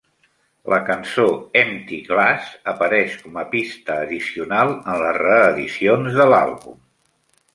La cançó "Empty Glass" apareix com a pista addicional en les reedicions de l'àlbum.